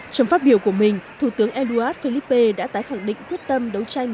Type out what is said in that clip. trong phát biểu của mình thủ tướng édouard philippe đã tái khẳng định quyết tâm đấu tranh